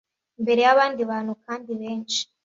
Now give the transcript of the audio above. imbere y’abandi bantu kandi benshi